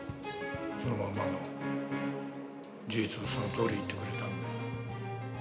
そのままの事実をそのとおり言ってくれたんで。